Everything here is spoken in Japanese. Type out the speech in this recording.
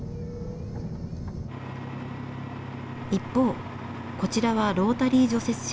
一方こちらはロータリー除雪車。